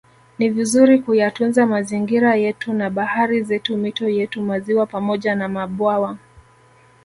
Ni vizuri kuyatunza mazingira yetu na bahari zetu mito yetu maziwa pamoja na mabwawa